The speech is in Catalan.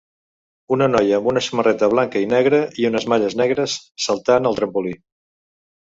Una noia amb una samarreta blanca y negra i unes malles negres saltant al trampolí.